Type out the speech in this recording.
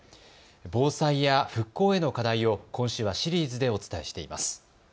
防災や復興への課題を今週はシリーズでお伝えしています。